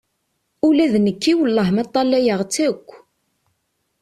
Ula d nekki wellah ma ṭṭalayeɣ-tt akk.